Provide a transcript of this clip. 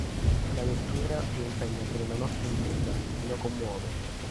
La lettura lo impegna per una notte intera e lo commuove.